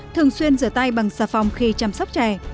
thường xuyên rửa tay bằng xà phòng khi chăm sóc trẻ